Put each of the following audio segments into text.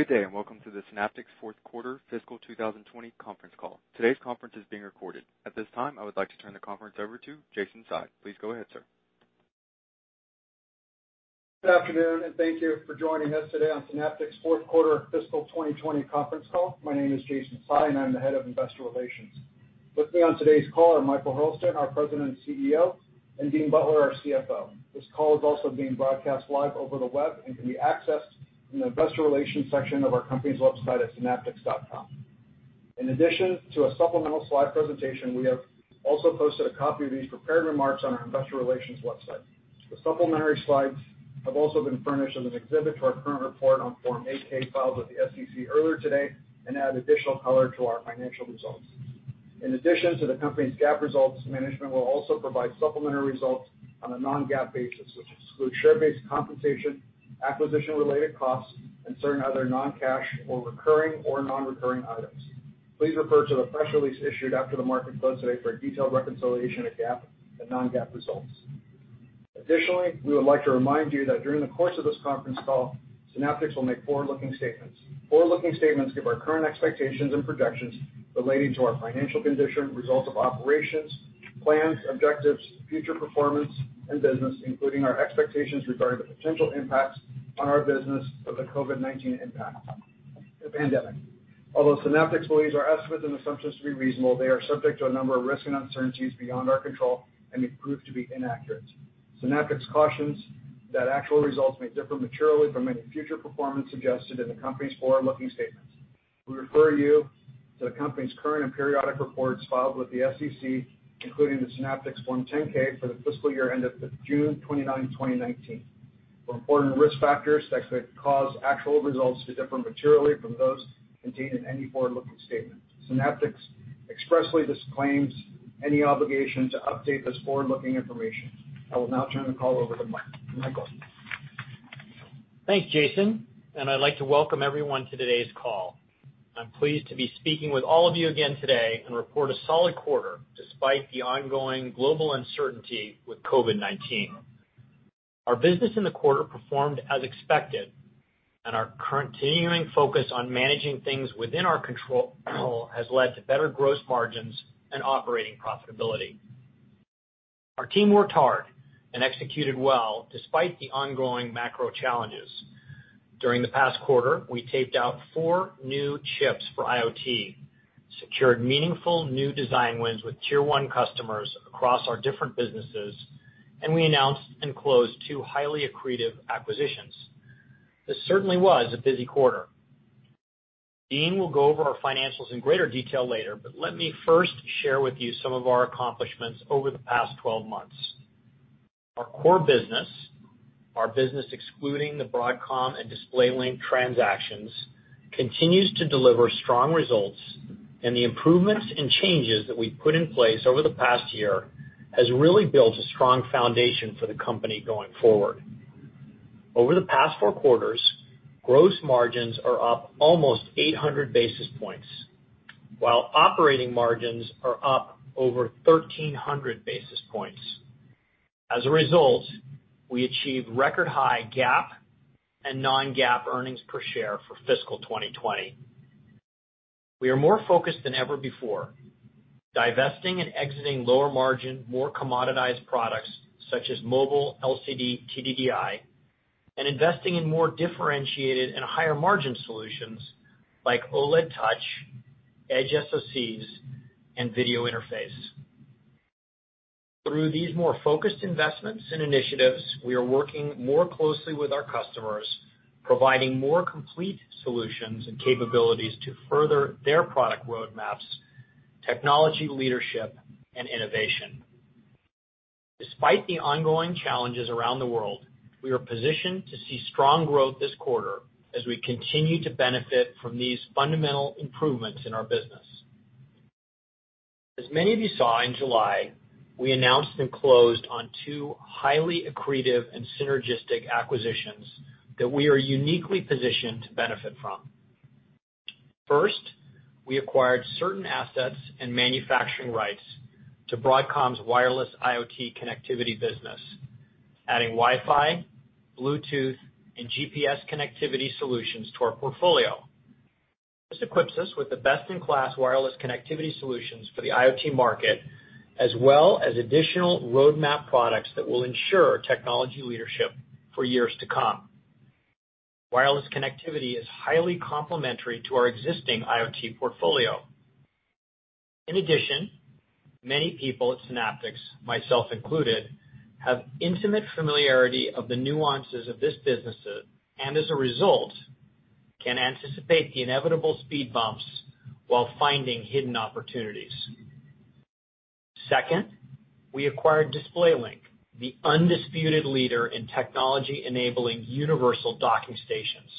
Good day. Welcome to the Synaptics Fourth Quarter Fiscal 2020 Conference Call. Today's conference is being recorded. At this time, I would like to turn the conference over to Jason Tsai. Please go ahead, sir. Good afternoon, and thank you for joining us today on Synaptics' fourth quarter fiscal 2020 conference call. My name is Jason Tsai, and I'm the Head of Investor Relations. With me on today's call are Michael Hurlston, our President and CEO, and Dean Butler, our CFO. This call is also being broadcast live over the web and can be accessed in the investor relations section of our company's website at synaptics.com. In addition to a supplemental slide presentation, we have also posted a copy of these prepared remarks on our investor relations website. The supplementary slides have also been furnished as an exhibit to our current report on Form 8-K filed with the SEC earlier today and add additional color to our financial results. In addition to the company's GAAP results, management will also provide supplementary results on a non-GAAP basis, which excludes share-based compensation, acquisition-related costs, and certain other non-cash or recurring or non-recurring items. Please refer to the press release issued after the market close today for a detailed reconciliation of GAAP and non-GAAP results. We would like to remind you that during the course of this conference call, Synaptics will make forward-looking statements. Forward-looking statements give our current expectations and projections relating to our financial condition, results of operations, plans, objectives, future performance, and business, including our expectations regarding the potential impacts on our business of the COVID-19 impact, the pandemic. Although Synaptics believes our estimates and assumptions to be reasonable, they are subject to a number of risks and uncertainties beyond our control and may prove to be inaccurate. Synaptics cautions that actual results may differ materially from any future performance suggested in the company's forward-looking statements. We refer you to the company's current and periodic reports filed with the SEC, including the Synaptics 10-K for the fiscal year ended June 29, 2019, for important risk factors that could cause actual results to differ materially from those contained in any forward-looking statement. Synaptics expressly disclaims any obligation to update this forward-looking information. I will now turn the call over to Michael. Thanks, Jason, and I'd like to welcome everyone to today's call. I'm pleased to be speaking with all of you again today and report a solid quarter despite the ongoing global uncertainty with COVID-19. Our business in the quarter performed as expected, and our continuing focus on managing things within our control has led to better gross margins and operating profitability. Our team worked hard and executed well despite the ongoing macro challenges. During the past quarter, we taped out four new chips for IoT, secured meaningful new design wins with tier 1 customers across our different businesses, and we announced and closed two highly accretive acquisitions. This certainly was a busy quarter. Dean will go over our financials in greater detail later, but let me first share with you some of our accomplishments over the past 12 months. Our core business, our business excluding the Broadcom and DisplayLink transactions, continues to deliver strong results, and the improvements and changes that we've put in place over the past year has really built a strong foundation for the company going forward. Over the past four quarters, gross margins are up almost 800 basis points, while operating margins are up over 1,300 basis points. As a result, we achieved record high GAAP and non-GAAP earnings per share for fiscal 2020. We are more focused than ever before, divesting and exiting lower margin, more commoditized products such as mobile LCD TDDI, and investing in more differentiated and higher margin solutions like OLED touch, edge SoCs, and video interface. Through these more focused investments and initiatives, we are working more closely with our customers, providing more complete solutions and capabilities to further their product roadmaps, technology leadership, and innovation. Despite the ongoing challenges around the world, we are positioned to see strong growth this quarter as we continue to benefit from these fundamental improvements in our business. As many of you saw in July, we announced and closed on two highly accretive and synergistic acquisitions that we are uniquely positioned to benefit from. First, we acquired certain assets and manufacturing rights to Broadcom's wireless IoT connectivity business, adding Wi-Fi, Bluetooth, and GPS connectivity solutions to our portfolio. This equips us with the best-in-class wireless connectivity solutions for the IoT market, as well as additional roadmap products that will ensure technology leadership for years to come. Wireless connectivity is highly complementary to our existing IoT portfolio. In addition, many people at Synaptics, myself included, have intimate familiarity of the nuances of this business, and as a result, can anticipate the inevitable speed bumps while finding hidden opportunities. Second, we acquired DisplayLink, the undisputed leader in technology enabling universal docking stations.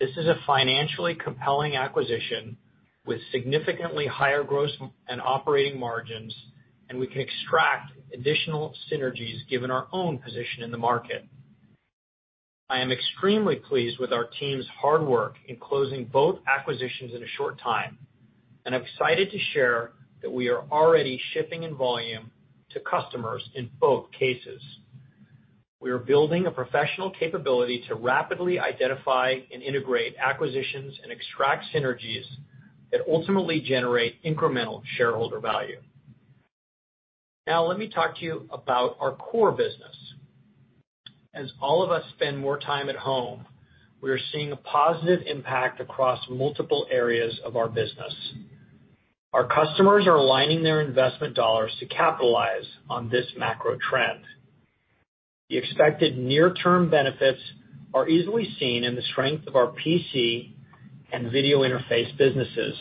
This is a financially compelling acquisition with significantly higher gross and operating margins, and we can extract additional synergies given our own position in the market. I am extremely pleased with our team's hard work in closing both acquisitions in a short time, and I'm excited to share that we are already shipping in volume to customers in both cases. We are building a professional capability to rapidly identify and integrate acquisitions and extract synergies that ultimately generate incremental shareholder value. Let me talk to you about our core business. As all of us spend more time at home, we are seeing a positive impact across multiple areas of our business. Our customers are aligning their investment dollars to capitalize on this macro trend. The expected near-term benefits are easily seen in the strength of our PC and video interface businesses.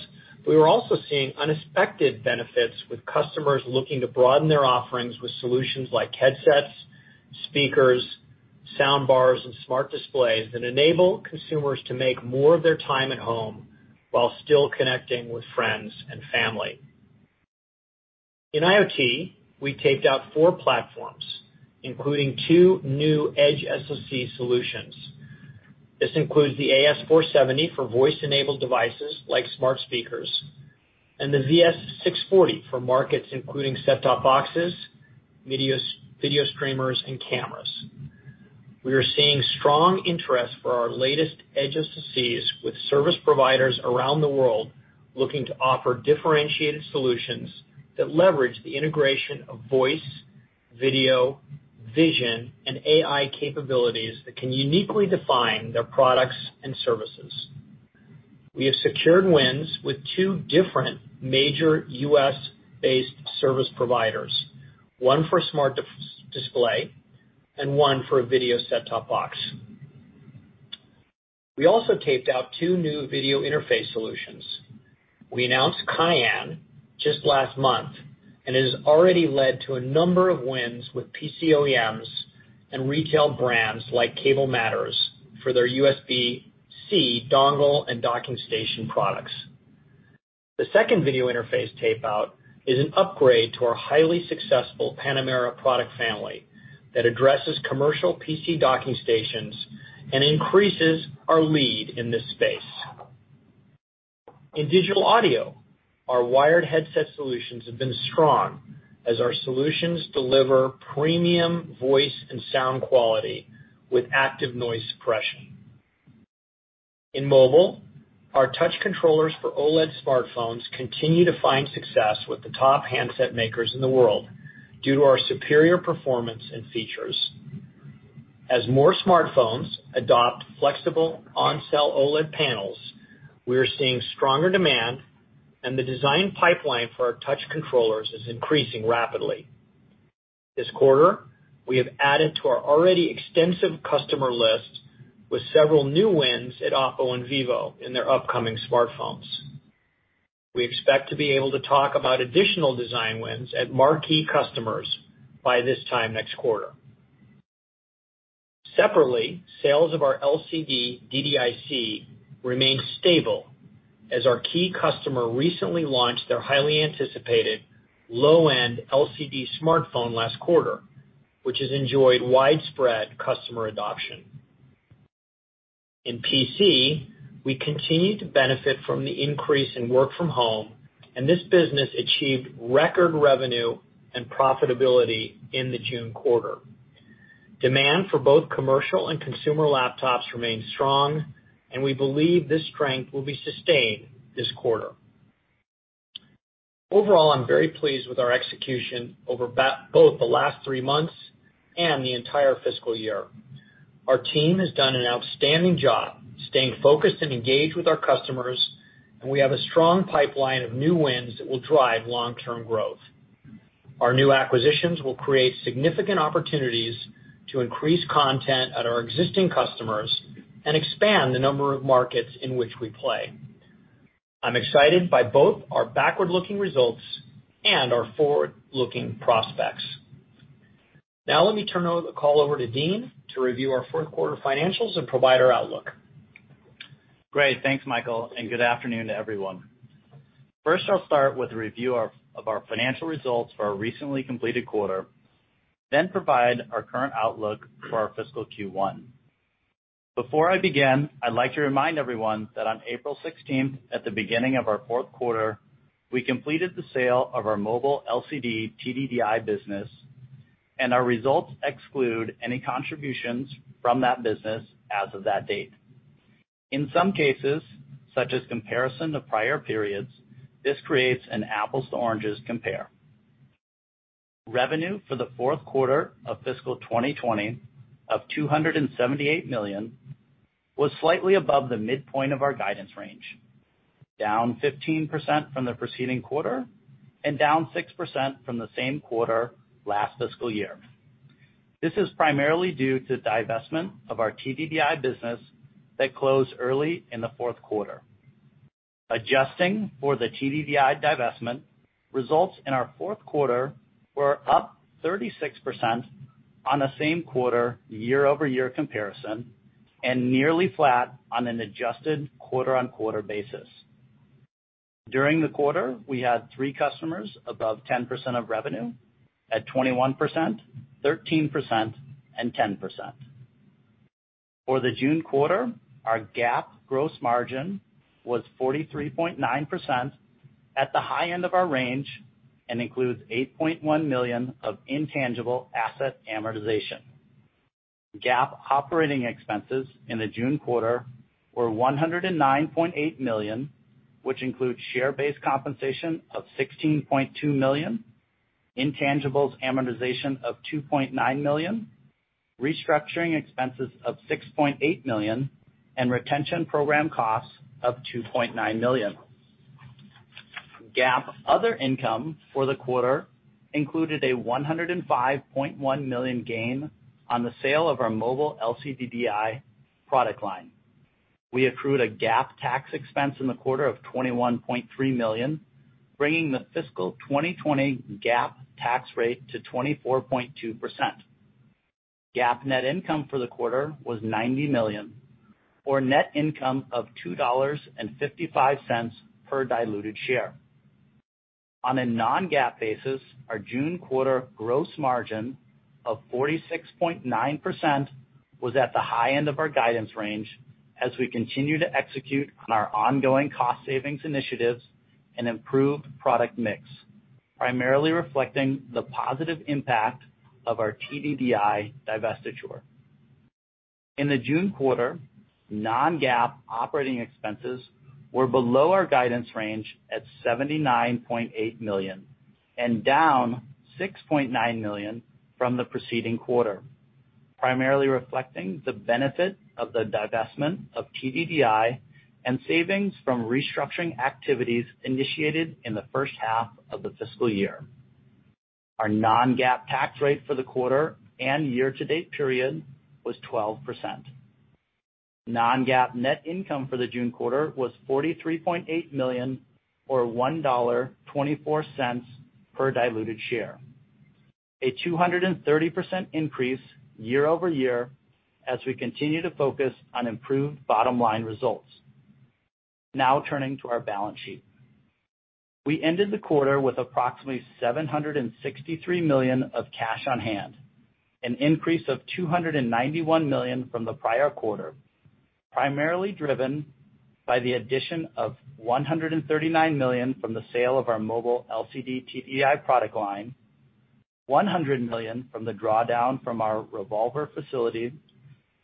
We are also seeing unexpected benefits with customers looking to broaden their offerings with solutions like headsets, speakers, sound bars, and smart displays that enable consumers to make more of their time at home while still connecting with friends and family. In IoT, we taped out four platforms, including two new edge SoC solutions. This includes the AS470 for voice-enabled devices like smart speakers, and the VS640 for markets including set-top boxes, video streamers, and cameras. We are seeing strong interest for our latest edge SoCs with service providers around the world looking to offer differentiated solutions that leverage the integration of voice, video, vision, and AI capabilities that can uniquely define their products and services. We have secured wins with two different major U.S.-based service providers, one for smart display and one for a video set-top box. We also taped out two new video interface solutions. We announced Cayenne just last month, and it has already led to a number of wins with PC OEMs and retail brands like Cable Matters for their USB-C dongle and docking station products. The second video interface tape-out is an upgrade to our highly successful Panamera product family that addresses commercial PC docking stations and increases our lead in this space. In digital audio, our wired headset solutions have been strong as our solutions deliver premium voice and sound quality with active noise suppression. In mobile, our touch controllers for OLED smartphones continue to find success with the top handset makers in the world due to our superior performance and features. As more smartphones adopt flexible on-cell OLED panels, we are seeing stronger demand, and the design pipeline for our touch controllers is increasing rapidly. This quarter, we have added to our already extensive customer list with several new wins at Oppo and Vivo in their upcoming smartphones. We expect to be able to talk about additional design wins at marquee customers by this time next quarter. Separately, sales of our LCD DDIC remain stable as our key customer recently launched their highly anticipated low-end LCD smartphone last quarter, which has enjoyed widespread customer adoption. In PC, we continue to benefit from the increase in work from home, and this business achieved record revenue and profitability in the June quarter. Demand for both commercial and consumer laptops remains strong, and we believe this strength will be sustained this quarter. Overall, I'm very pleased with our execution over both the last three months and the entire fiscal year. Our team has done an outstanding job staying focused and engaged with our customers, and we have a strong pipeline of new wins that will drive long-term growth. Our new acquisitions will create significant opportunities to increase content at our existing customers and expand the number of markets in which we play. I'm excited by both our backward-looking results and our forward-looking prospects. Now let me turn the call over to Dean to review our fourth quarter financials and provide our outlook. Great. Thanks, Michael, and good afternoon to everyone. First, I'll start with a review of our financial results for our recently completed quarter, then provide our current outlook for our fiscal Q1. Before I begin, I'd like to remind everyone that on April 16th, at the beginning of our fourth quarter, we completed the sale of our mobile LCD TDDI business. Our results exclude any contributions from that business as of that date. In some cases, such as comparison to prior periods, this creates an apples to oranges compare. Revenue for the fourth quarter of fiscal 2020 of $278 million was slightly above the midpoint of our guidance range, down 15% from the preceding quarter and down 6% from the same quarter last fiscal year. This is primarily due to the divestment of our TDDI business that closed early in the fourth quarter. Adjusting for the TDDI divestment, results in our fourth quarter were up 36% on the same quarter year-over-year comparison and nearly flat on an adjusted quarter-on-quarter basis. During the quarter, we had three customers above 10% of revenue at 21%, 13%, and 10%. For the June quarter, our GAAP gross margin was 43.9% at the high end of our range and includes $8.1 million of intangible asset amortization. GAAP operating expenses in the June quarter were $109.8 million, which includes share-based compensation of $16.2 million, intangibles amortization of $2.9 million, restructuring expenses of $6.8 million, and retention program costs of $2.9 million. GAAP other income for the quarter included a $105.1 million gain on the sale of our mobile LCD DDIC product line. We accrued a GAAP tax expense in the quarter of $21.3 million, bringing the fiscal 2020 GAAP tax rate to 24.2%. GAAP net income for the quarter was $90 million, or net income of $2.55 per diluted share. On a non-GAAP basis, our June quarter gross margin of 46.9% was at the high end of our guidance range as we continue to execute on our ongoing cost savings initiatives and improve product mix, primarily reflecting the positive impact of our TDDI divestiture. In the June quarter, non-GAAP operating expenses were below our guidance range at $79.8 million, and down $6.9 million from the preceding quarter, primarily reflecting the benefit of the divestment of TDDI and savings from restructuring activities initiated in the first half of the fiscal year. Our non-GAAP tax rate for the quarter and year-to-date period was 12%. Non-GAAP net income for the June quarter was $43.8 million, or $1.24 per diluted share. A 230% increase year-over-year as we continue to focus on improved bottom-line results. Now turning to our balance sheet. We ended the quarter with approximately $763 million of cash on hand, an increase of $291 million from the prior quarter, primarily driven by the addition of $139 million from the sale of our mobile LCD TDDI product line, $100 million from the drawdown from our revolver facility,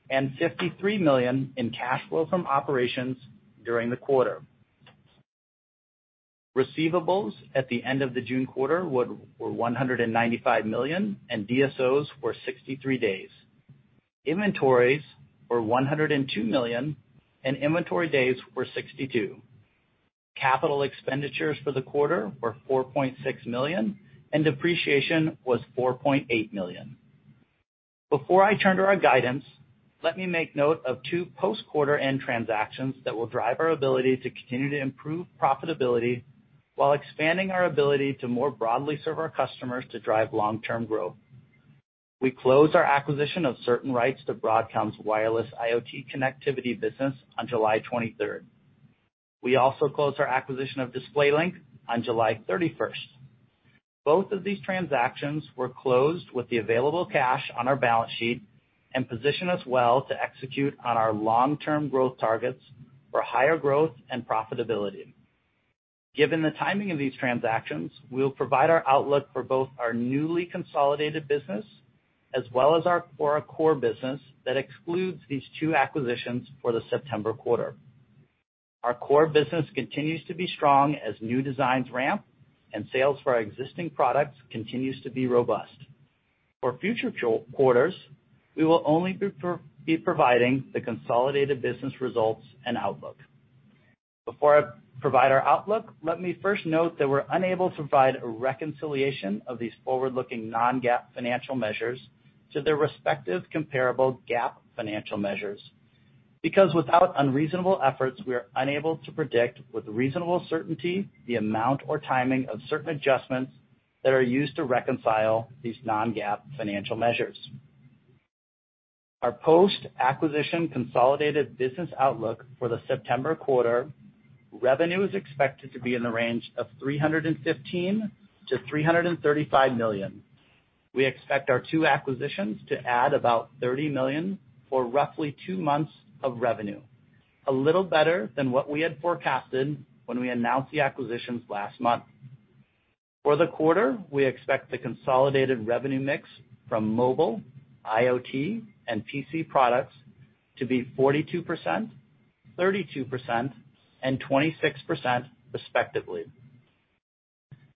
and $53 million in cash flow from operations during the quarter. Receivables at the end of the June quarter were $195 million, and DSOs were 63 days. Inventories were $102 million, and inventory days were 62. Capital expenditures for the quarter were $4.6 million, and depreciation was $4.8 million. Before I turn to our guidance, let me make note of two post-quarter end transactions that will drive our ability to continue to improve profitability while expanding our ability to more broadly serve our customers to drive long-term growth. We closed our acquisition of certain rights to Broadcom's wireless IoT connectivity business on July 23rd. We also closed our acquisition of DisplayLink on July 31st. Both of these transactions were closed with the available cash on our balance sheet and position us well to execute on our long-term growth targets for higher growth and profitability. Given the timing of these transactions, we will provide our outlook for both our newly consolidated business as well as our core business that excludes these two acquisitions for the September quarter. Our core business continues to be strong as new designs ramp and sales for our existing products continues to be robust. For future quarters, we will only be providing the consolidated business results and outlook. Before I provide our outlook, let me first note that we're unable to provide a reconciliation of these forward-looking non-GAAP financial measures to their respective comparable GAAP financial measures, because without unreasonable efforts, we are unable to predict with reasonable certainty the amount or timing of certain adjustments that are used to reconcile these non-GAAP financial measures. Our post-acquisition consolidated business outlook for the September quarter, revenue is expected to be in the range of $315 million-$335 million. We expect our two acquisitions to add about $30 million, or roughly two months of revenue, a little better than what we had forecasted when we announced the acquisitions last month. For the quarter, we expect the consolidated revenue mix from mobile, IoT, and PC products to be 42%, 32%, and 26%, respectively.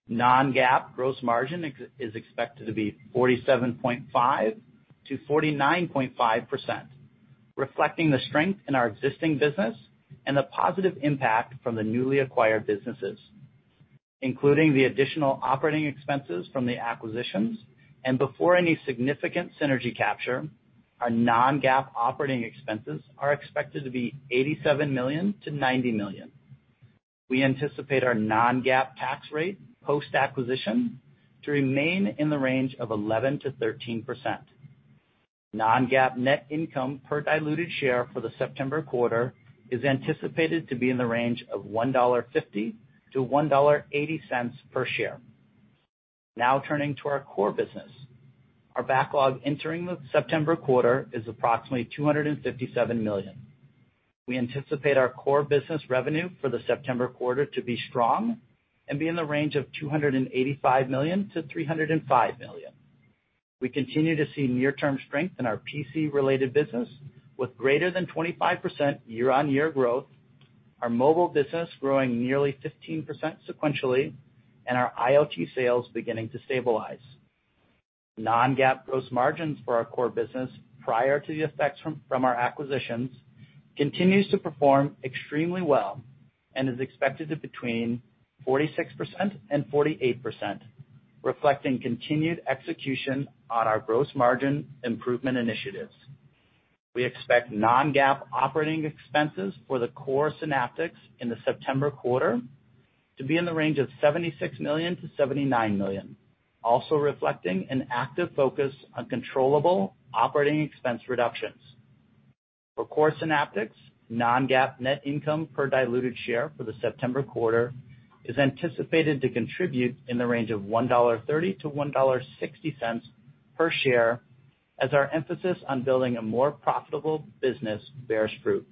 Non-GAAP gross margin is expected to be 47.5%-49.5%, reflecting the strength in our existing business and the positive impact from the newly acquired businesses. Including the additional operating expenses from the acquisitions and before any significant synergy capture, our non-GAAP operating expenses are expected to be $87 million-$90 million. We anticipate our non-GAAP tax rate post-acquisition to remain in the range of 11%-13%. Non-GAAP net income per diluted share for the September quarter is anticipated to be in the range of $1.50-$1.80 per share. Turning to our core business. Our backlog entering the September quarter is approximately $257 million. We anticipate our core business revenue for the September quarter to be strong and be in the range of $285 million-$305 million. We continue to see near-term strength in our PC-related business with greater than 25% year-on-year growth, our mobile business growing nearly 15% sequentially, and our IoT sales beginning to stabilize. Non-GAAP gross margins for our core business prior to the effects from our acquisitions continues to perform extremely well and is expected to between 46%-48%, reflecting continued execution on our gross margin improvement initiatives. We expect non-GAAP operating expenses for the core Synaptics in the September quarter to be in the range of $76 million-$79 million, also reflecting an active focus on controllable operating expense reductions. For core Synaptics, non-GAAP net income per diluted share for the September quarter is anticipated to contribute in the range of $1.30-$1.60 per share as our emphasis on building a more profitable business bears fruit.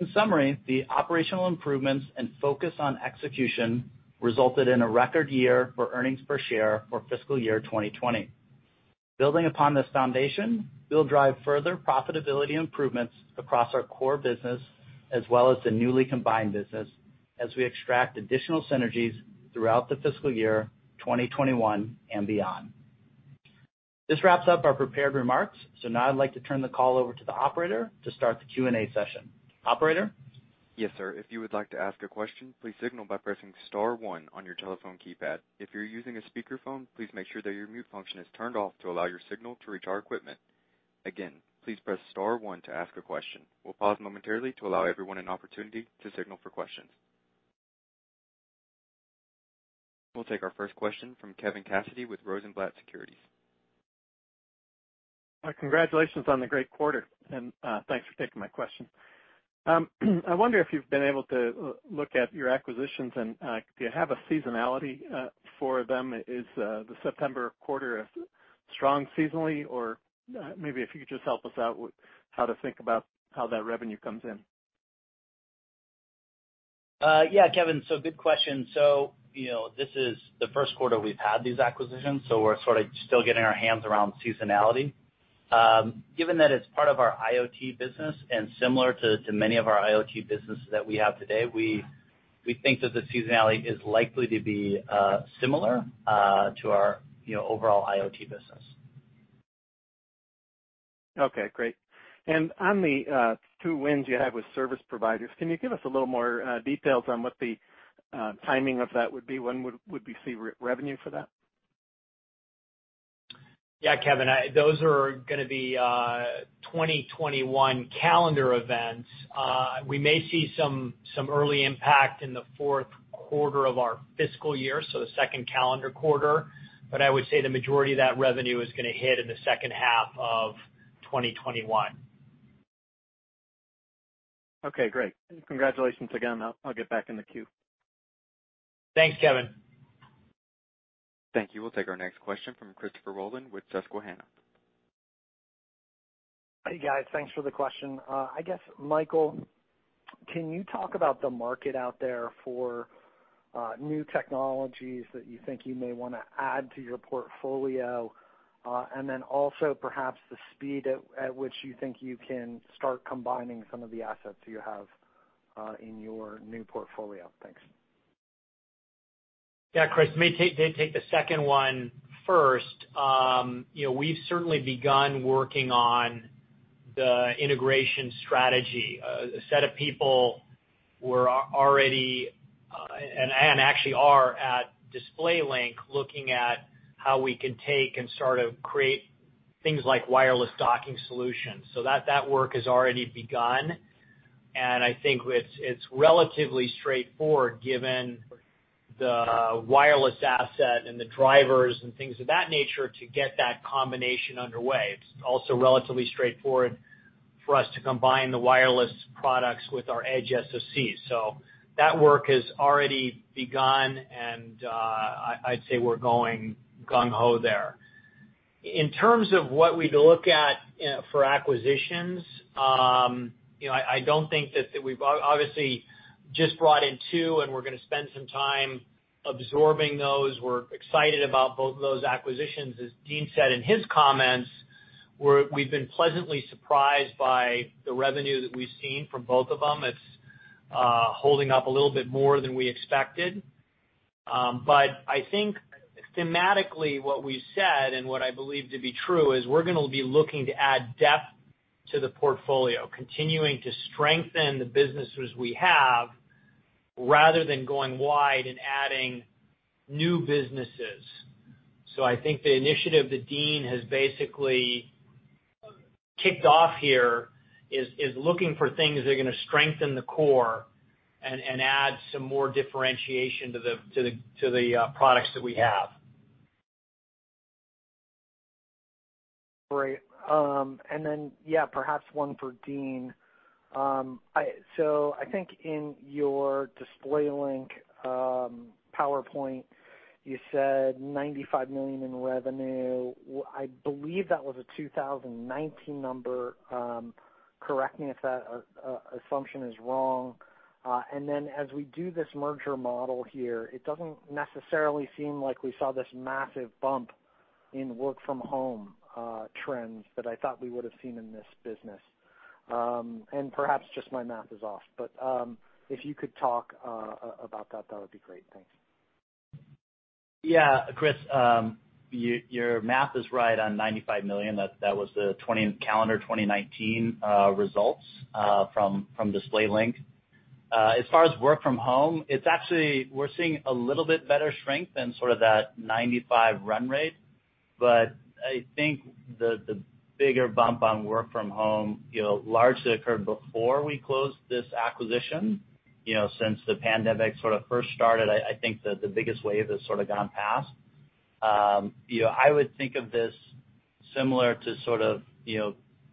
In summary, the operational improvements and focus on execution resulted in a record year for earnings per share for fiscal year 2020. Building upon this foundation, we'll drive further profitability improvements across our core business as well as the newly combined business as we extract additional synergies throughout the fiscal year 2021 and beyond. [This wraps up our prepared remarks.] Now I'd like to turn the call over to the operator to start the Q&A session. Operator? Yes, sir. If you would like to ask a question, please signal by pressing star one on your telephone keypad. If you're using a speakerphone, please make sure that your mute function is turned off to allow your signal to reach our equipment. Again, please press star 1 to ask a question. We'll pause momentarily to allow everyone an opportunity to signal for questions. We'll take our first question from Kevin Cassidy with Rosenblatt Securities. Hi, congratulations on the great quarter, and thanks for taking my question. I wonder if you've been able to look at your acquisitions, and do you have a seasonality for them? Is the September quarter strong seasonally? Maybe if you could just help us out with how to think about how that revenue comes in? Yeah, Kevin. Good question. This is the first quarter we've had these acquisitions, so we're sort of still getting our hands around seasonality. Given that it's part of our IoT business and similar to many of our IoT businesses that we have today, we think that the seasonality is likely to be similar to our overall IoT business. Okay, great. On the two wins you have with service providers, can you give us a little more details on what the timing of that would be? When would we see revenue for that? Yeah, Kevin, those are going to be 2021 calendar events. We may see some early impact in the fourth quarter of our fiscal year, so the second calendar quarter, but I would say the majority of that revenue is going to hit in the second half of 2021. Okay, great. Congratulations again. I'll get back in the queue. Thanks, Kevin. Thank you. We'll take our next question from Christopher Rolland with Susquehanna. Hey, guys. Thanks for the question. I guess, Michael, can you talk about the market out there for new technologies that you think you may want to add to your portfolio? Also perhaps the speed at which you think you can start combining some of the assets you have in your new portfolio. Thanks. Yeah, Chris, let me take the second one first. We've certainly begun working on the integration strategy. A set of people were already, and actually are at DisplayLink looking at how we can take and sort of create things like wireless docking solutions. That work has already begun, and I think it's relatively straightforward given the wireless asset and the drivers and things of that nature to get that combination underway. It's also relatively straightforward for us to combine the wireless products with our edge SOC. That work has already begun, and I'd say we're going gung-ho there. In terms of what we look at for acquisitions, I don't think that we've obviously just brought in two, and we're going to spend some time absorbing those. We're excited about both of those acquisitions. As Dean said in his comments, we've been pleasantly surprised by the revenue that we've seen from both of them. It's holding up a little bit more than we expected. I think thematically, what we've said and what I believe to be true is we're going to be looking to add depth to the portfolio, continuing to strengthen the businesses we have, rather than going wide and adding new businesses. I think the initiative that Dean has basically kicked off here is looking for things that are going to strengthen the core and add some more differentiation to the products that we have. Yeah, perhaps one for Dean. I think in your DisplayLink PowerPoint, you said $95 million in revenue. I believe that was a 2019 number. Correct me if that assumption is wrong. As we do this merger model here, it doesn't necessarily seem like we saw this massive bump in work from home trends that I thought we would've seen in this business. Perhaps just my math is off, but if you could talk about that would be great. Thanks. Yeah. Chris, your math is right on $95 million. That was the calendar 2019 results from DisplayLink. As far as work from home, we're seeing a little bit better strength than sort of that $95 run rate. I think the bigger bump on work from home largely occurred before we closed this acquisition, since the pandemic sort of first started. I think that the biggest wave has sort of gone past. I would think of this similar to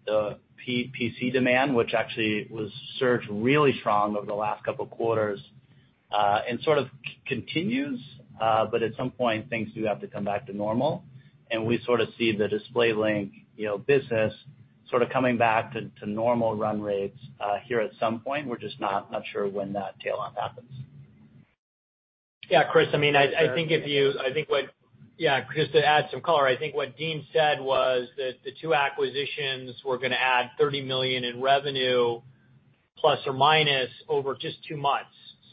the PC demand, which actually was surged really strong over the last couple of quarters, and sort of continues. At some point, things do have to come back to normal, and we sort of see the DisplayLink business sort of coming back to normal run rates here at some point. We're just not sure when that tail off happens. Yeah, Chris, just to add some color, I think what Dean said was that the two acquisitions were going to add $30 million in revenue ± over just two months.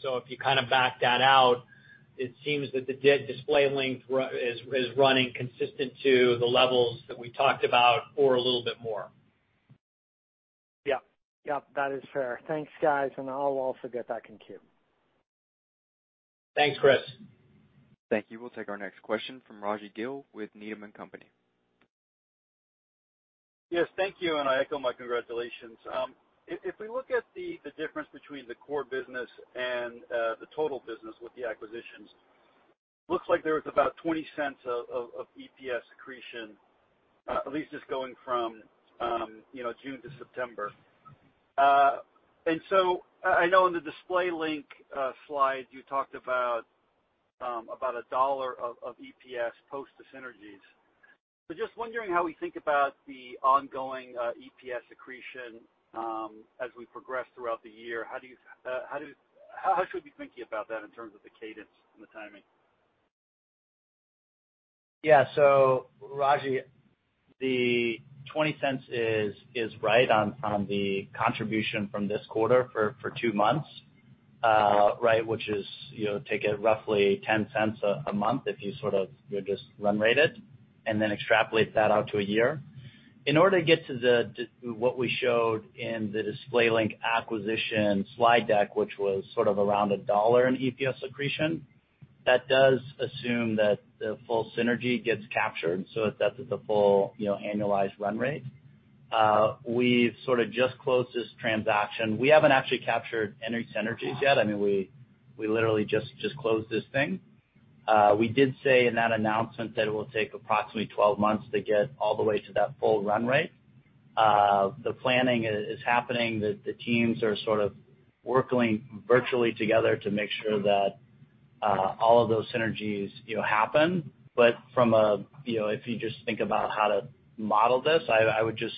If you kind of back that out, it seems that the DisplayLink is running consistent to the levels that we talked about or a little bit more. Yeah. That is fair. Thanks, guys. I'll also get that in queue. Thanks, Chris. Thank you. We'll take our next question from Rajvindra Gill with Needham & Company. Yes, thank you, and I echo my congratulations. If we look at the difference between the core business and the total business with the acquisitions, looks like there was about $0.20 of EPS accretion, at least just going from June to September. I know in the DisplayLink slide you talked about a $1 of EPS post the synergies. Just wondering how we think about the ongoing EPS accretion, as we progress throughout the year. How should we be thinking about that in terms of the cadence and the timing? Yeah. Raji, the $0.20 is right on the contribution from this quarter for two months, which take it roughly $0.10 a month if you just run rate it, and then extrapolate that out to a year. In order to get to what we showed in the DisplayLink acquisition slide deck, which was sort of around $1.00 in EPS accretion, that does assume that the full synergy gets captured, so that's at the full annualized run rate. We've sort of just closed this transaction. We haven't actually captured any synergies yet. We literally just closed this thing. We did say in that announcement that it will take approximately 12 months to get all the way to that full run rate. The planning is happening. The teams are sort of working virtually together to make sure that all of those synergies happen. If you just think about how to model this, I would just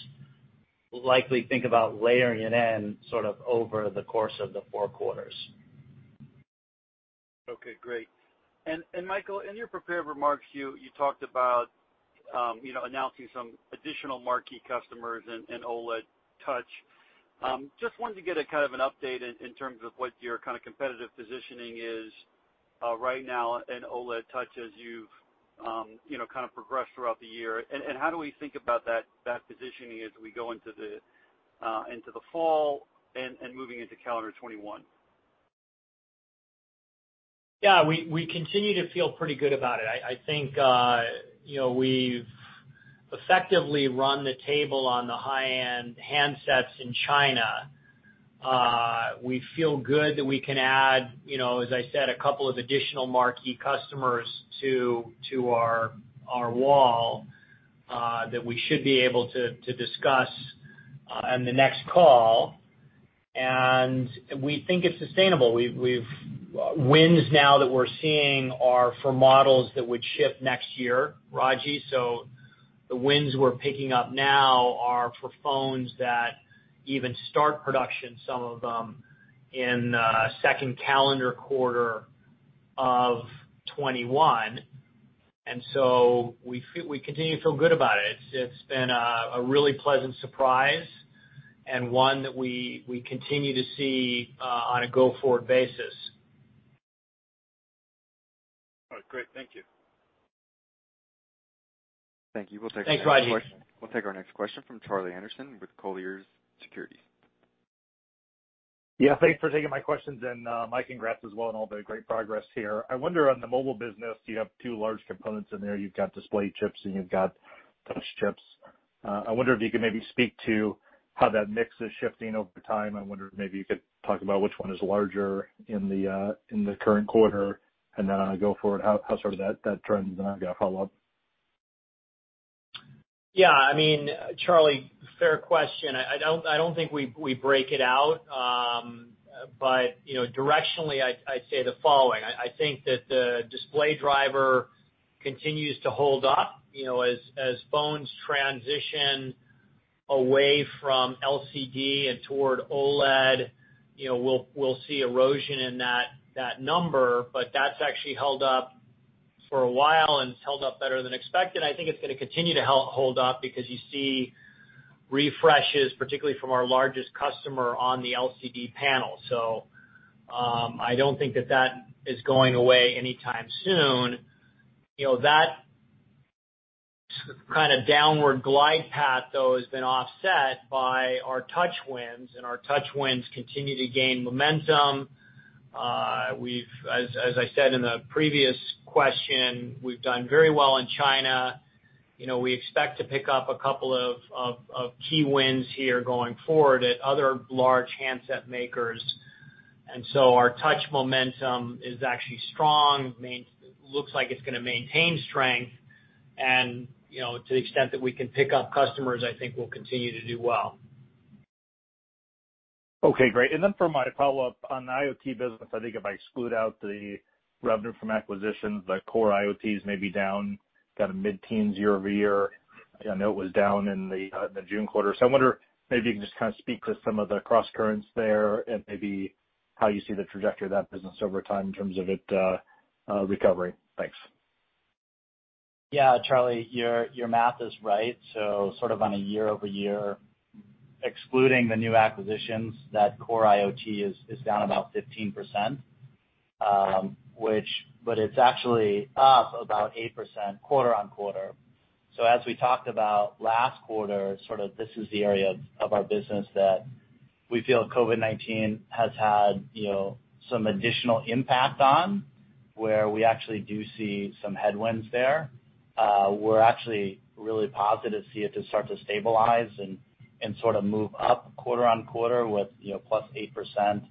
likely think about layering it in sort of over the course of the four quarters. Okay, great. Michael, in your prepared remarks, you talked about announcing some additional marquee customers in OLED touch. Just wanted to get a kind of an update in terms of what your kind of competitive positioning is right now in OLED touch as you've kind of progressed throughout the year, and how do we think about that positioning as we go into the fall and moving into calendar 2021? Yeah. We continue to feel pretty good about it. I think we've effectively run the table on the high-end handsets in China. We feel good that we can add, as I said, a couple of additional marquee customers to our wall, that we should be able to discuss on the next call. We think it's sustainable. Wins now that we're seeing are for models that would ship next year, Raji. So the wins we're picking up now are for phones that even start production, some of them, in second calendar quarter of 2021. We continue to feel good about it. It's been a really pleasant surprise and one that we continue to see on a go-forward basis. All right, great. Thank you. Thank you. We'll take our next question. Thanks, Raji We'll take our next question from Charlie Anderson with Colliers Securities. Yeah. Thanks for taking my questions, and Mike, congrats as well on all the great progress here. I wonder on the mobile business, you have two large components in there. You've got display chips, and you've got touch chips. I wonder if you could maybe speak to how that mix is shifting over time. I wonder if maybe you could talk about which one is larger in the current quarter, and then on a go forward, how sort of that trend, then I've got a follow-up. Yeah. Charlie, fair question. I don't think we break it out. Directionally, I'd say the following. I think that the display driver continues to hold up as phones transition away from LCD and toward OLED, we'll see erosion in that number, but that's actually held up for a while, and it's held up better than expected. I think it's going to continue to hold up because you see refreshes, particularly from our largest customer on the LCD panel. I don't think that that is going away anytime soon. That kind of downward glide path, though, has been offset by our touch wins, and our touch wins continue to gain momentum. As I said in the previous question, we've done very well in China. We expect to pick up a couple of key wins here going forward at other large handset makers. Our touch momentum is actually strong. Looks like it's going to maintain strength, and to the extent that we can pick up customers, I think we'll continue to do well. Okay, great. For my follow-up on the IoT business, I think if I exclude out the revenue from acquisitions, the core IoT is maybe down kind of mid-teens year-over-year. I know it was down in the June quarter. I wonder maybe you can just kind of speak to some of the crosscurrents there and maybe how you see the trajectory of that business over time in terms of it recovering. Thanks. Charlie, your math is right. Sort of on a year-over-year, excluding the new acquisitions, that core IoT is down about 15%, but it's actually up about 8% quarter-over-quarter. As we talked about last quarter, this is the area of our business that we feel COVID-19 has had some additional impact on, where we actually do see some headwinds there. We're actually really positive to see it just start to stabilize and sort of move up quarter-over-quarter with plus 8%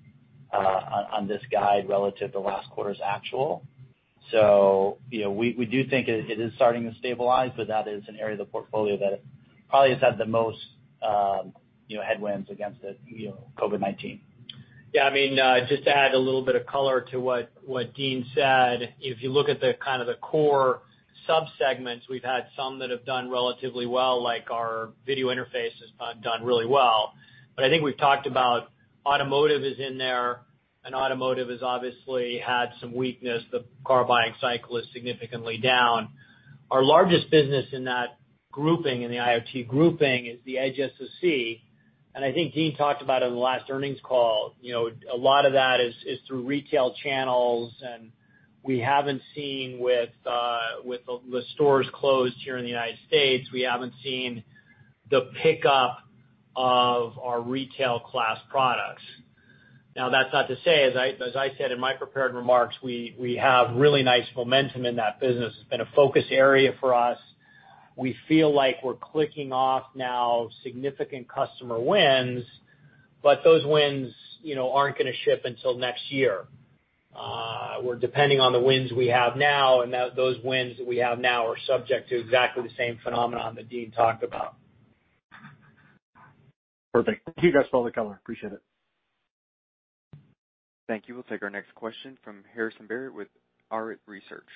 on this guide relative to last quarter's actual. We do think it is starting to stabilize, but that is an area of the portfolio that probably has had the most headwinds against it, COVID-19. Yeah. Just to add a little bit of color to what Dean said. If you look at the kind of the core sub-segments, we've had some that have done relatively well, like our video interface has done really well. I think we've talked about automotive is in there, and automotive has obviously had some weakness. The car buying cycle is significantly down. Our largest business in that grouping, in the IoT grouping, is the edge SoC, and I think Dean talked about it on the last earnings call. A lot of that is through retail channels, and with the stores closed here in the U.S., we haven't seen the pickup of our retail class products. Now, that's not to say, as I said in my prepared remarks, we have really nice momentum in that business. It's been a focus area for us. We feel like we're clicking off now significant customer wins. Those wins aren't going to ship until next year. We're depending on the wins we have now. Those wins that we have now are subject to exactly the same phenomenon that Dean talked about. Perfect. Thank you guys for all the color. Appreciate it. Thank you. We'll take our next question from Harrison Barrett with Arete Research.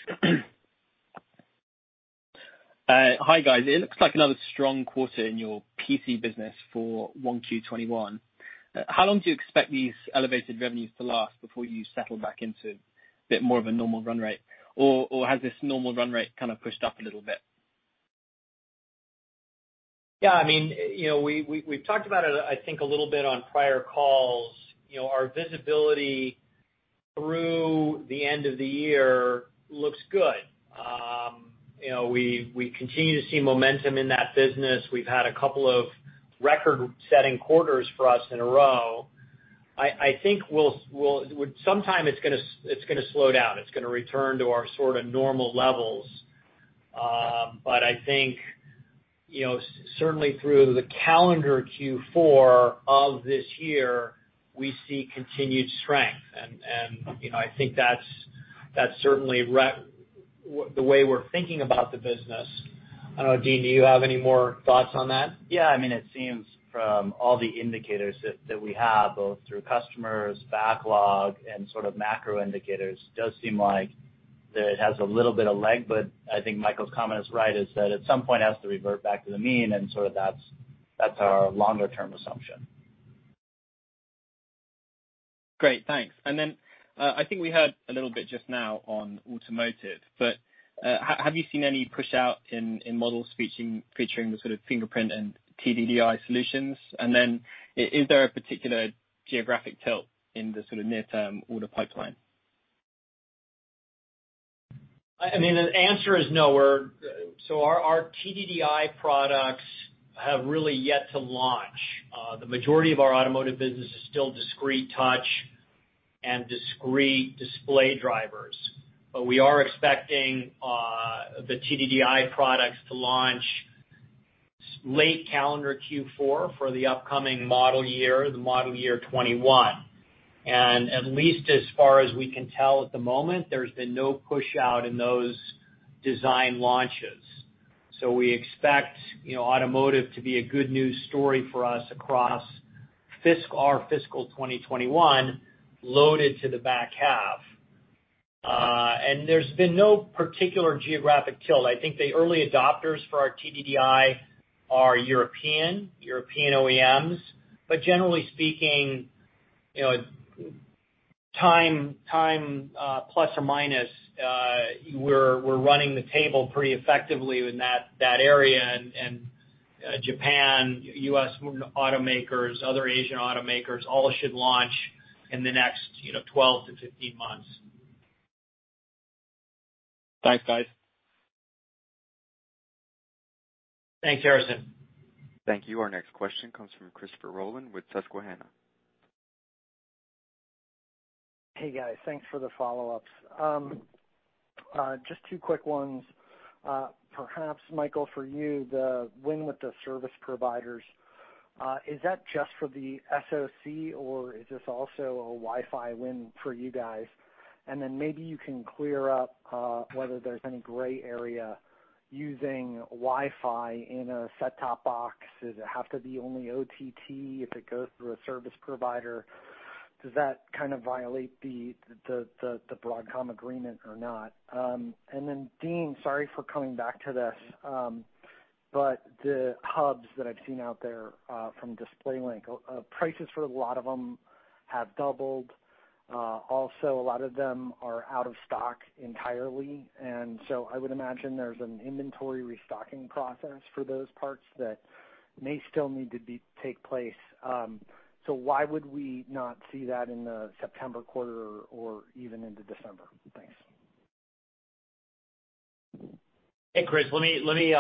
Hi, guys. It looks like another strong quarter in your PC business for 1Q21. How long do you expect these elevated revenues to last before you settle back into a bit more of a normal run rate? Has this normal run rate kind of pushed up a little bit? [Yeah, I mean,] we've talked about it, I think, a little bit on prior calls. Our visibility through the end of the year looks good. We continue to see momentum in that business. We've had a couple of record-setting quarters for us in a row. I think sometime it's going to slow down. It's going to return to our sort of normal levels. I think certainly through the calendar Q4 of this year, we see continued strength, and I think that's certainly the way we're thinking about the business. I don't know, Dean, do you have any more thoughts on that? Yeah. It seems from all the indicators that we have, both through customers, backlog, and sort of macro indicators, does seem like that it has a little bit of leg, but I think Michael's comment is right, is that at some point it has to revert back to the mean, and sort of that's our longer-term assumption. Great, thanks. [And then,] I think we heard a little bit just now on automotive, but have you seen any push-out in models featuring the sort of fingerprint and TDDI solutions? Is there a particular geographic tilt in the sort of near-term order pipeline? The answer is no. Our TDDI products have really yet to launch. The majority of our automotive business is still discrete touch and discrete display drivers. We are expecting the TDDI products to launch late calendar Q4 for the upcoming model year, the model year 2021. At least as far as we can tell at the moment, there's been no push-out in those design launches. We expect automotive to be a good news story for us across our fiscal 2021, loaded to the back half. There's been no particular geographic tilt. I think the early adopters for our TDDI are European OEMs. Generally speaking, time plus or minus, we're running the table pretty effectively in that area and Japan, U.S. automakers, other Asian automakers, all should launch in the next 12-15 months. Thanks, guys. Thanks, Harrison. Thank you. Our next question comes from Christopher Rolland with Susquehanna. Hey, guys. Thanks for the follow-ups. Just two quick ones. Perhaps, Michael, for you, the win with the service providers, is that just for the SoC or is this also a Wi-Fi win for you guys? Then maybe you can clear up whether there's any gray area using Wi-Fi in a set-top box. Does it have to be only OTT if it goes through a service provider? Does that kind of violate the Broadcom agreement or not? Then Dean, sorry for coming back to this. The hubs that I've seen out there from DisplayLink, prices for a lot of them have doubled. Also a lot of them are out of stock entirely. I would imagine there's an inventory restocking process for those parts that may still need to take place. Why would we not see that in the September quarter or even into December? Thanks. Hey, Chris. Let me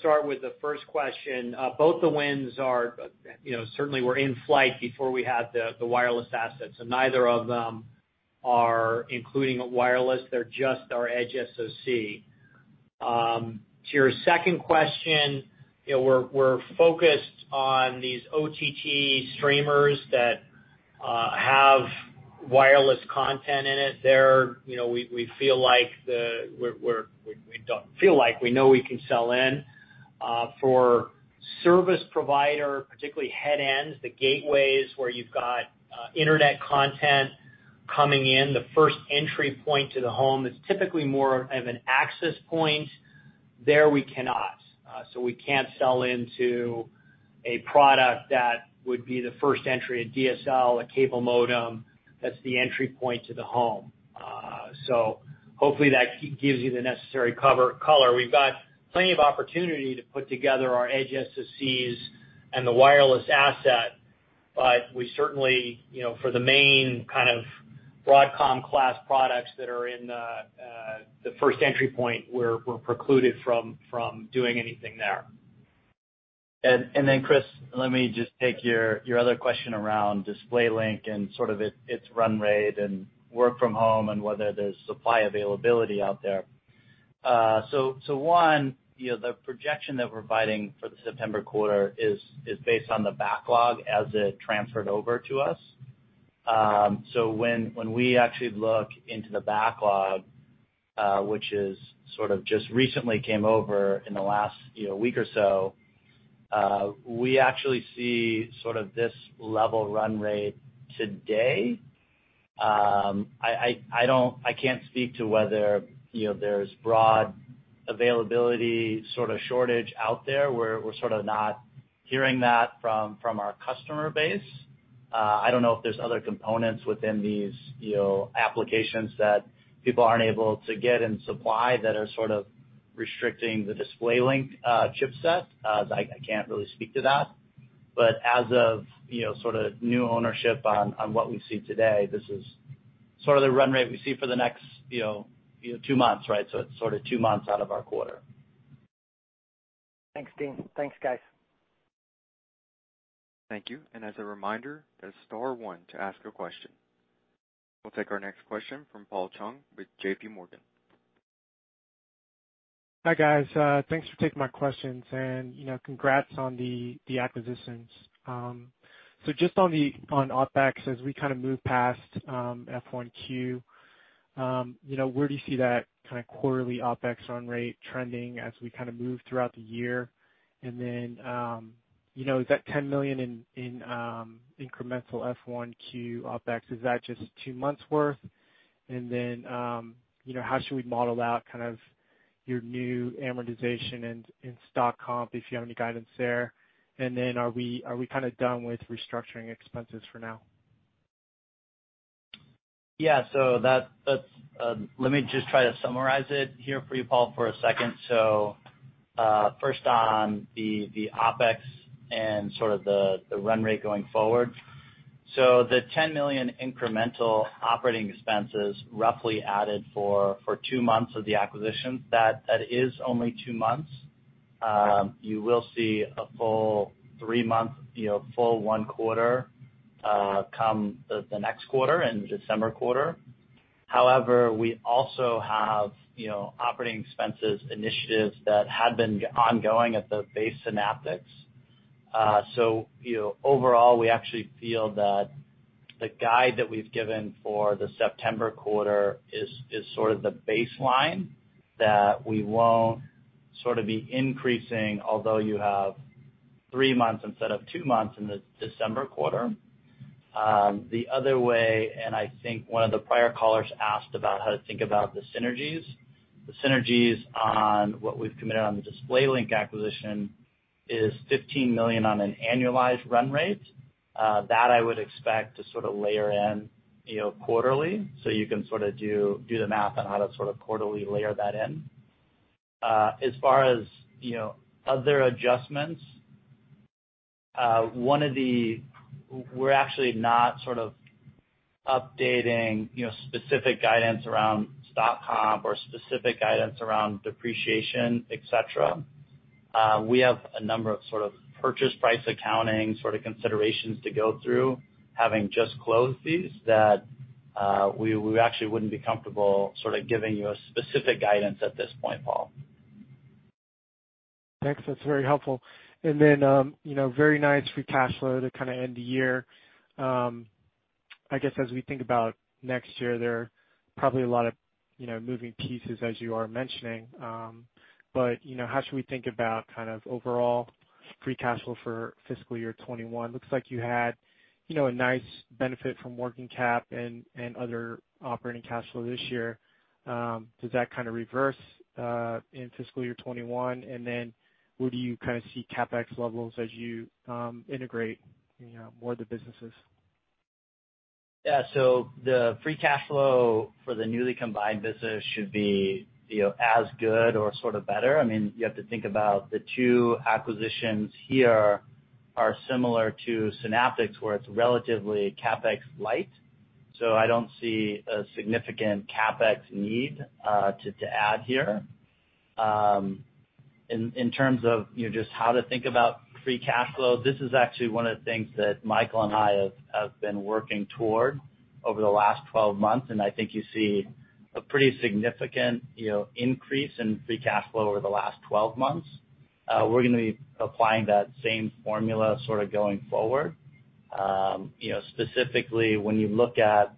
start with the first question. Both the wins certainly were in flight before we had the wireless assets. Neither of them are including wireless. They're just our edge SoC. To your second question, we're focused on these OTT streamers that have wireless content in it. There, we know we can sell in. For service provider, particularly headends, the gateways where you've got internet content coming in, the first entry point to the home, that's typically more of an access point. There, we cannot. We can't sell into a product that would be the first entry, a DSL, a cable modem, that's the entry point to the home. Hopefully that gives you the necessary color. We've got plenty of opportunity to put together our edge SoCs and the wireless asset. We certainly, for the main kind of Broadcom class products that are in the first entry point, we're precluded from doing anything there. Chris, let me just take your other question around DisplayLink and sort of its run rate and work from home and whether there's supply availability out there. One, the projection that we're providing for the September quarter is based on the backlog as it transferred over to us. When we actually look into the backlog, which has sort of just recently came over in the last week or so, we actually see sort of this level run rate today. I can't speak to whether there's broad availability sort of shortage out there. We're sort of not hearing that from our customer base. I don't know if there's other components within these applications that people aren't able to get in supply that are sort of restricting the DisplayLink chipset. I can't really speak to that. As of sort of new ownership on what we see today, this is sort of the run rate we see for the next two months, right? It's sort of two months out of our quarter. Thanks, Dean. Thanks, guys. Thank you. As a reminder, that is star one to ask a question. We'll take our next question from Paul Chung with JPMorgan. Hi, guys. Thanks for taking my questions and congrats on the acquisitions. Just on OpEx, as we kind of move past F1Q, where do you see that kind of quarterly OpEx run rate trending as we kind of move throughout the year? Is that $10 million in incremental F1Q OpEx, is that just two months' worth? How should we model out kind of your new amortization and stock comp, if you have any guidance there? Are we kind of done with restructuring expenses for now? Yeah. Let me just try to summarize it here for you, Paul, for a second. First on the OpEx and sort of the run rate going forward. The $10 million incremental operating expenses roughly added for two months of the acquisition, that is only two months. You will see a full three-month, full one quarter, come the next quarter, in the December quarter. We also have operating expenses initiatives that had been ongoing at the base Synaptics. Overall, we actually feel that the guide that we've given for the September quarter is sort of the baseline that we won't sort of be increasing, although you have three months instead of two months in the December quarter. The other way, I think one of the prior callers asked about how to think about the synergies. The synergies on what we've committed on the DisplayLink acquisition is $15 million on an annualized run rate. That I would expect to sort of layer in quarterly. You can do the math on how to sort of quarterly layer that in. As far as other adjustments, we're actually not updating specific guidance around stock comp or specific guidance around depreciation, et cetera. We have a number of sort of purchase price accounting considerations to go through, having just closed these, that we actually wouldn't be comfortable giving you a specific guidance at this point, Paul. Thanks. That's very helpful. Very nice free cash flow to kind of end the year. I guess as we think about next year, there are probably a lot of moving pieces as you are mentioning. How should we think about kind of overall free cash flow for fiscal year 2021? Looks like you had a nice benefit from working cap and other operating cash flow this year. Does that kind of reverse in fiscal year 2021? Where do you kind of see CapEx levels as you integrate more of the businesses? The free cash flow for the newly combined business should be as good or sort of better. You have to think about the two acquisitions here are similar to Synaptics, where it's relatively CapEx light. I don't see a significant CapEx need to add here. In terms of just how to think about free cash flow, this is actually one of the things that Michael and I have been working toward over the last 12 months. I think you see a pretty significant increase in free cash flow over the last 12 months. We're going to be applying that same formula going forward. Specifically when you look at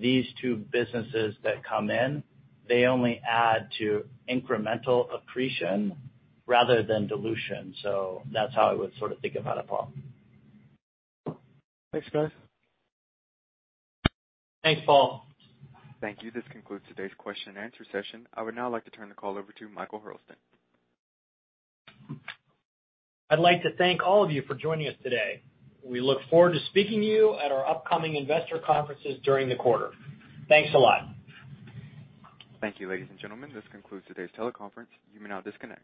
these two businesses that come in, they only add to incremental accretion rather than dilution. That's how I would think about it, Paul. Thanks, guys. Thanks, Paul. Thank you. This concludes today's question and answer session. I would now like to turn the call over to Michael Hurlston. I'd like to thank all of you for joining us today. We look forward to speaking to you at our upcoming investor conferences during the quarter. Thanks a lot. Thank you, ladies and gentlemen. This concludes today's teleconference. You may now disconnect.